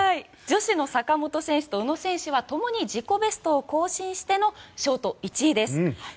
女子の坂本選手と宇野選手はともに自己ベストを更新してのショート、１位です。